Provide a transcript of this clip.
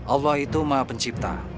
allah itu maha pencipta